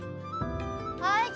はい。